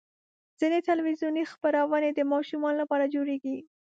ځینې تلویزیوني خپرونې د ماشومانو لپاره جوړېږي.